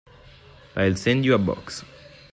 I'll send you a box.